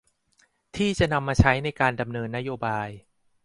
ที่จะนำมาใช้ในการดำเนินนโยบาย